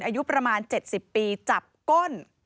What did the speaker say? อายุประมาณ๗๐ปีจับก้น